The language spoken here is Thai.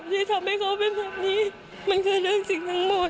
ที่ทำให้เขาเป็นแบบนี้มันคือเรื่องจริงทั้งหมด